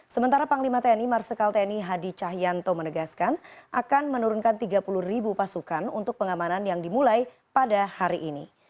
sementara panglima tni marsikal tni hadi cahyanto menegaskan akan menurunkan tiga puluh ribu pasukan untuk pengamanan yang dimulai pada hari ini